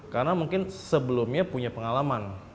karena mungkin sebelumnya punya pengalaman